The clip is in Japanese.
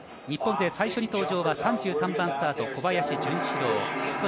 日本勢、最初に登場は３３番スタート、小林潤志郎。